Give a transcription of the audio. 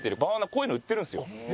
こういうの売ってるんですよ。